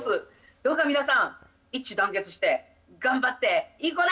どうか皆さん、一致団結して、頑張っていこな！